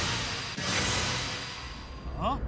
あ？